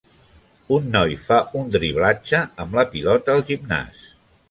Un noi fa un driblatge amb la pilota al gimnàs.